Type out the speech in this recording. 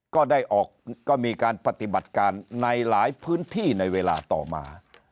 ก็ได้ออกก็มีการปฏิบัติการในหลายพื้นที่ในเวลาต่อมา